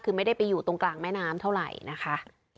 คือไม่ได้ไปอยู่ตรงกลางแม่น้ำเท่าไหร่นะคะ